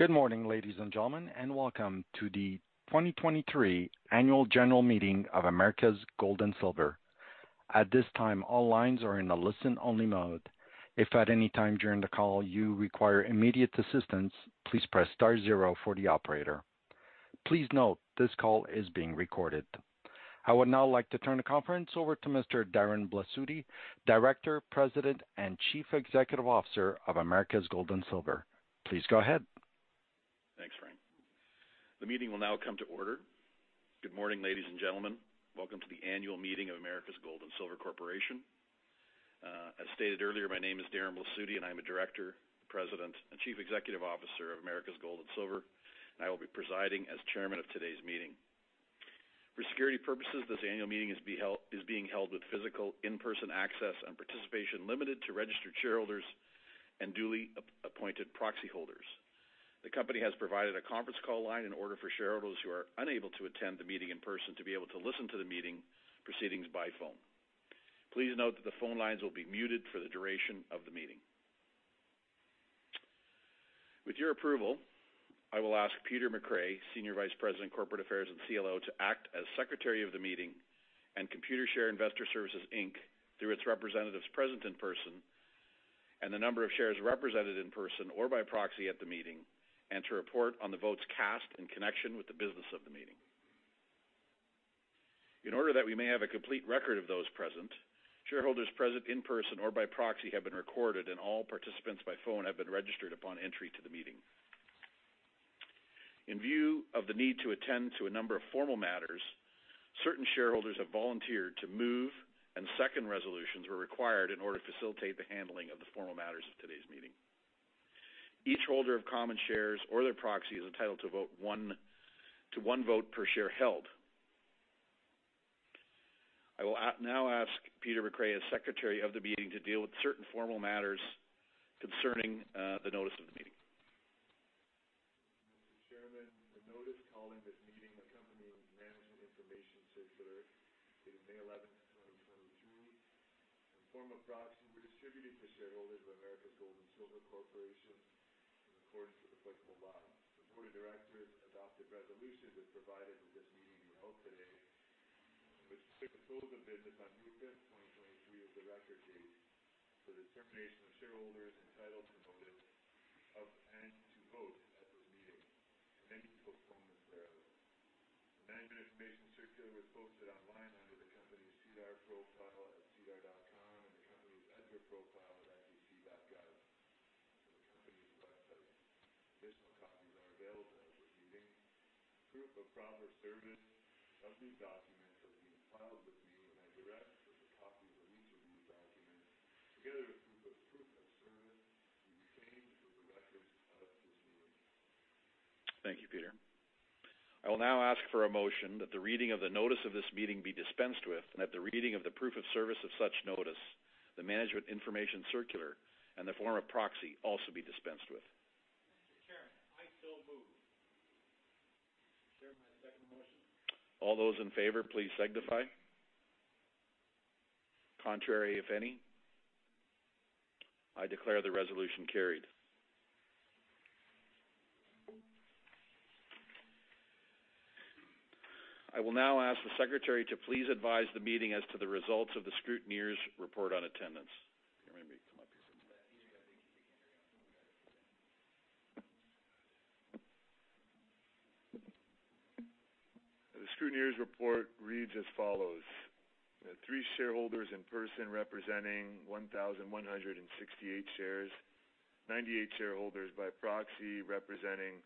Good morning, ladies and gentlemen, and welcome to the 2023 Annual General Meeting of Americas Gold and Silver. At this time, all lines are in a listen-only mode. If at any time during the call you require immediate assistance, please press star zero for the operator. Please note, this call is being recorded. I would now like to turn the conference over to Mr. Darren Blasutti, Director, President, and Chief Executive Officer of Americas Gold and Silver. Please go ahead. Thanks, Frank. The meeting will now come to order. Good morning, ladies and gentlemen. Welcome to the annual meeting of Americas Gold and Silver Corporation. As stated earlier, my name is Darren Blasutti, and I'm a Director, President, and Chief Executive Officer of Americas Gold and Silver, and I will be presiding as Chairman of today's meeting. For security purposes, this annual meeting is being held with physical in-person access and participation limited to registered shareholders and duly appointed proxy holders. The company has provided a conference call line in order for shareholders who are unable to attend the meeting in person to be able to listen to the meeting proceedings by phone. Please note that the phone lines will be muted for the duration of the meeting. With your approval, I will ask Peter McRae, Senior Vice President, Corporate Affairs and CLO, to act as Secretary of the meeting and Computershare Investor Services, Inc., through its representatives present in person and the number of shares represented in person or by proxy at the meeting, and to report on the votes cast in connection with the business of the meeting. In order that we may have a complete record of those present, shareholders present in person or by proxy have been recorded, and all participants by phone have been registered upon entry to the meeting. In view of the need to attend to a number of formal matters, certain shareholders have volunteered to move, and second resolutions were required in order to facilitate the handling of the formal matters of today's meeting. Each holder of common shares or their proxy is entitled to vote to one vote per share held. I will now ask Peter McRae, as Secretary of the meeting, to deal with certain formal matters concerning the notice of the meeting. Mr. Chairman, the notice calling this meeting, accompanying Management Information Circular, dated May 11th, 2022, and form of proxy were distributed to shareholders of Americas Gold and Silver Corporation in accordance with applicable law. The board of directors adopted resolutions as provided at this meeting and held today, which to approve the business on May 5th, 2023, as the record date for the determination of shareholders entitled to notice of, and to vote at this meeting, and any postponements thereof. The Management Information Circular was posted online under the company's SEDAR profile at sedar.com and the company's EDGAR profile at sec.gov, and the company's website. Additional copies are available at this meeting. Proof of proper service of these documents have been filed with me. I direct that the copies of each of these documents, together with the proof of service, be retained for the records of this meeting. Thank you, Peter. I will now ask for a motion that the reading of the notice of this meeting be dispensed with, and that the reading of the proof of service of such notice, the Management Information Circular, and the form of proxy also be dispensed with. Mr. Chairman, I so move. Sir, I second the motion. All those in favor, please signify. Contrary, if any? I declare the resolution carried. I will now ask the Secretary to please advise the meeting as to the results of the scrutineer's report on attendance. You may come up here, sir. The scrutineer's report reads as follows: There are 3 shareholders in person representing 1,168 shares, 98 shareholders by proxy, representing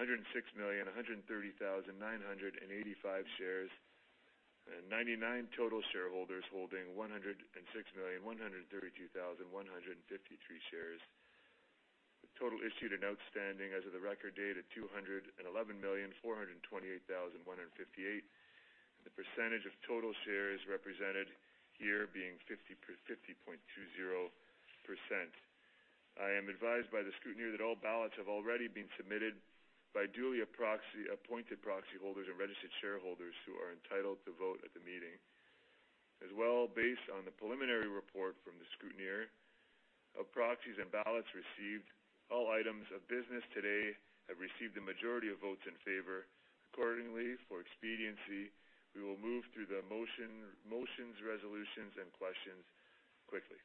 106,130,985 shares, and 99 total shareholders holding 106,132,153 shares. The total issued and outstanding as of the record date of 211,428,158, and the percentage of total shares represented here being 50.20%. I am advised by the scrutineer that all ballots have already been submitted by duly proxy, appointed proxy holders and registered shareholders who are entitled to vote at the meeting. As well, based on the preliminary report from the scrutineer of proxies and ballots received, all items of business today have received the majority of votes in favor. Accordingly, for expediency, we will move through the motion, motions, resolutions, and questions quickly.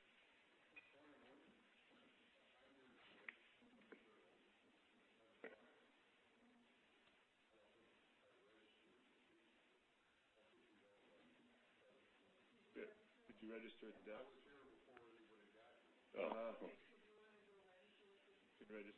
Did you register at the desk? I was here before anybody got here. Do you want to go register? You can register right now, yes. We're just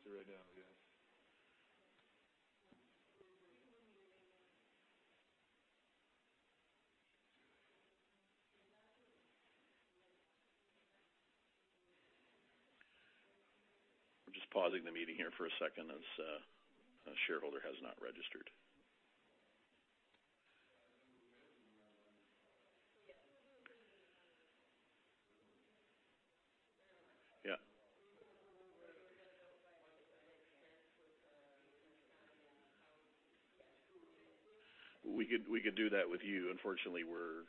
pausing the meeting here for a second as a shareholder has not registered. Yeah. We could, we could do that with you. Unfortunately, we're,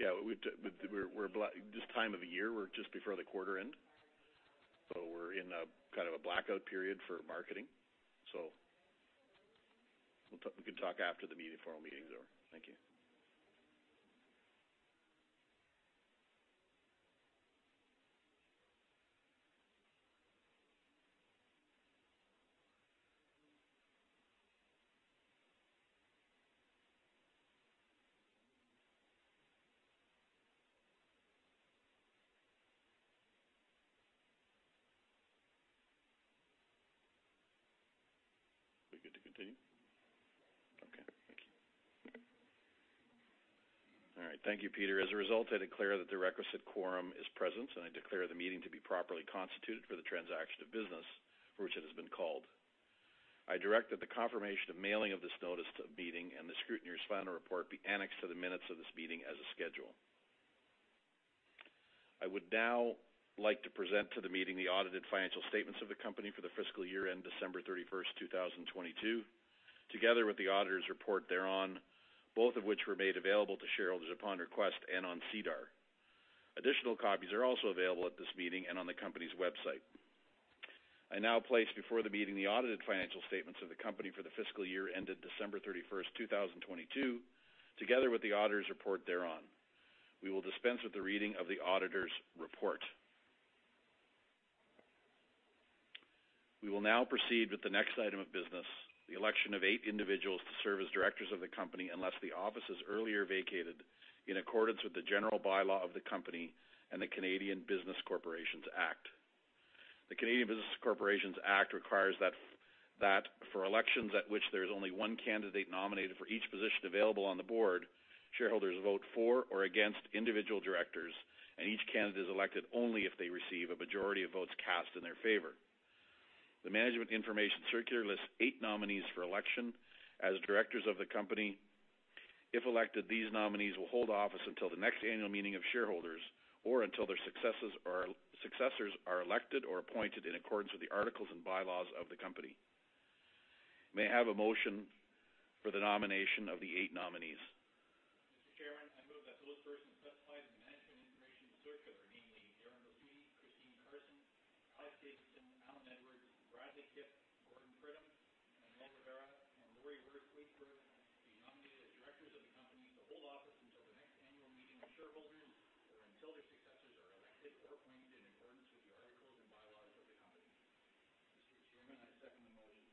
yeah, this time of the year, we're just before the quarter end, so we're in a kind of a blackout period for marketing. We'll talk, we can talk after the meeting, formal meeting is over. Thank you. We good to continue? Thank you. All right. Thank you, Peter. As a result, I declare that the requisite quorum is present, and I declare the meeting to be properly constituted for the transaction of business for which it has been called. I direct that the confirmation of mailing of this notice to the meeting and the scrutineer's final report be annexed to the minutes of this meeting as a schedule. I would now like to present to the meeting the audited financial statements of the company for the fiscal year end December 31st, 2022, together with the auditor's report thereon, both of which were made available to shareholders upon request and on SEDAR. Additional copies are also available at this meeting and on the company's website. I now place before the meeting the audited financial statements of the company for the fiscal year ended December 31st, 2022, together with the auditor's report thereon. We will dispense with the reading of the auditor's report. We will now proceed with the next item of business, the election of 8 individuals to serve as directors of the company, unless the office is earlier vacated in accordance with the general bylaw of the company and the Canada Business Corporations Act. The Canada Business Corporations Act requires that for elections at which there is only one candidate nominated for each position available on the board, shareholders vote for or against individual directors, and each candidate is elected only if they receive a majority of votes cast in their favor. The Management Information Circular lists eight nominees for election as directors of the company. If elected, these nominees will hold office until the next annual meeting of shareholders, or until their successes or successors are elected or appointed in accordance with the articles and bylaws of the company. May I have a motion for the nomination of the eight nominees? Mr. Chairman, I move that those persons specified in the Management Information Circular, namely, Darren Blasutti, Christine Carson, Alex Davidson, Alan Edwards, Bradley Kipp, Gordon Pridham, Manuel Rivera, and Lorie Waisberg, be nominated as directors of the company to hold office until the next annual meeting of shareholders or until their successors are elected or appointed in accordance with the articles and bylaws of the company. Mr. Chairman, I second the motion.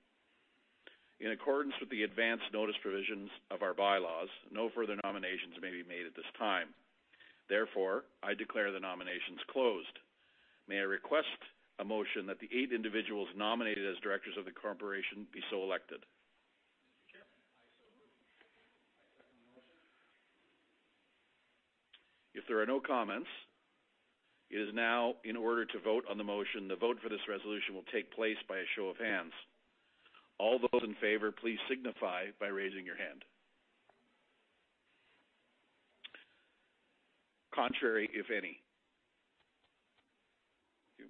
In accordance with the advance notice provisions of our bylaws, no further nominations may be made at this time. Therefore, I declare the nominations closed. May I request a motion that the eight individuals nominated as directors of the corporation be so elected? Mr. Chairman, I so move. I second the motion. If there are no comments, it is now in order to vote on the motion. The vote for this resolution will take place by a show of hands. All those in favor, please signify by raising your hand. Contrary, if any? Thank you.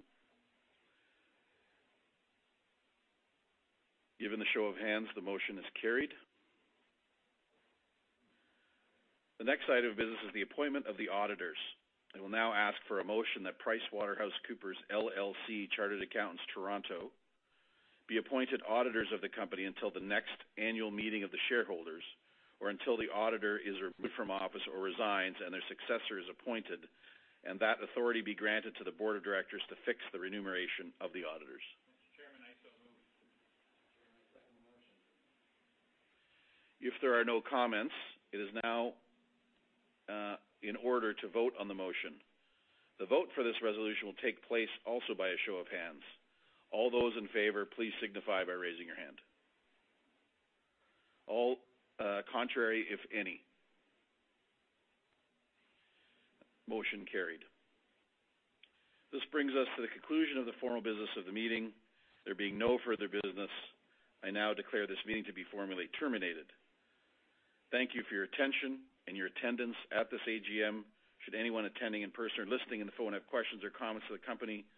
Given the show of hands, the motion is carried. The next item of business is the appointment of the auditors. I will now ask for a motion that PricewaterhouseCoopers LLP, Chartered Accountants, Toronto, be appointed auditors of the company until the next annual meeting of the shareholders, or until the auditor is removed from office or resigns and their successor is appointed, and that authority be granted to the board of directors to fix the remuneration of the auditors. Mr. Chairman, I so move. Mr. Chairman, I second the motion. If there are no comments, it is now in order to vote on the motion. The vote for this resolution will take place also by a show of hands. All those in favor, please signify by raising your hand. All contrary, if any? Motion carried. This brings us to the conclusion of the formal business of the meeting. There being no further business, I now declare this meeting to be formally terminated. Thank you for your attention and your attendance at this AGM. Should anyone attending in person or listening on the phone have questions or comments for the company,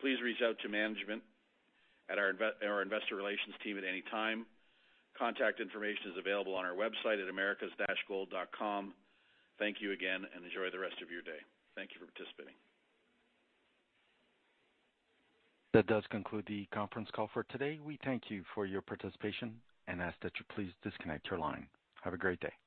please reach out to management or our investor relations team at any time. Contact information is available on our website at americas-gold.com. Thank you again, and enjoy the rest of your day. Thank you for participating. That does conclude the conference call for today. We thank you for your participation and ask that you please disconnect your line. Have a great day.